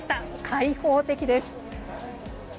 開放的です。